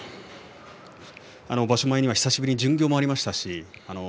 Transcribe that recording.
場所前には久しぶりに巡業もありました。